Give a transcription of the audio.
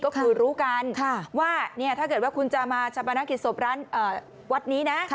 ก็คือรู้กันว่าเนี่ยถ้าเกิดว่าคุณจะมาชะพนักศิษย์ศพวัดนี้นะ